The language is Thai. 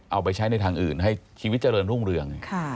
เอาไปใช้ในทางอื่นให้ชีวิตเจริญรุ่งเรือง